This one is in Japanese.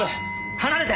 離れて！